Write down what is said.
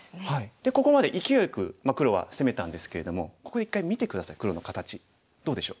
でここまでいきおいよく黒は攻めたんですけれどもここで一回見て下さい黒の形どうでしょう？